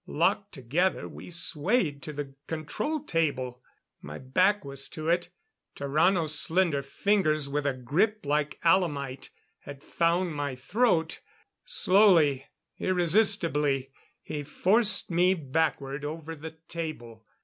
Locked together we swayed to the control table. My back was to it. Tarrano's slender fingers with a grip like alemite, had found my throat. Slowly, irresistibly he forced me backward over the table.